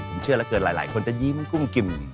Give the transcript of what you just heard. ผมเชื่อเหลือเกินหลายคนจะยิ้มให้กุ้มกิ่ม